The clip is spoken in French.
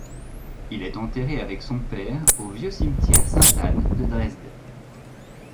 Il est enterré avec son père au vieux cimetière Sainte-Anne de Dresde.